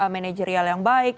manajerial yang baik